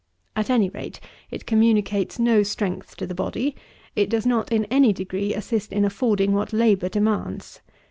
At any rate it communicates no strength to the body; it does not, in any degree, assist in affording what labour demands.